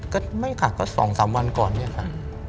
ก็ไม่ค่ะก็๒๓วันก่อนเนี่ยค่ะ